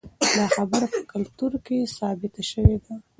دا خبره په کلتور کې ثابته شوې ده.